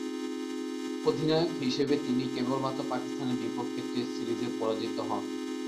অধিনায়ক হিসেবে তিনি কেবলমাত্র পাকিস্তানের বিপক্ষে টেস্ট সিরিজে পরাজিত হন।